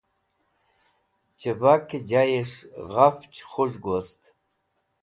Chivake Jayes̃h Ghafch Khuz̃hg Wost